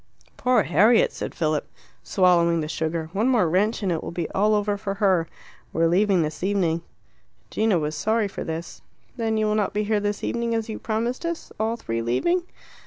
"Poor Harriet!" said Philip, swallowing the sugar. "One more wrench and it will all be over for her; we are leaving this evening." Gino was sorry for this. "Then you will not be here this evening as you promised us. All three leaving?"